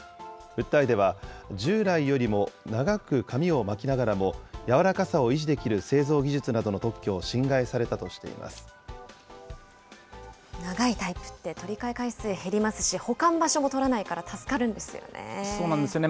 訴えでは、従来よりも長く紙を巻きながらも、柔らかさを維持できる製造技術などの特許を侵害され長いタイプって取り替え回数減りますし、保管場所も取らないから助かるんですよね。